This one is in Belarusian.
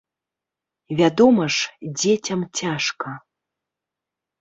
Вядома ж, дзецям цяжка.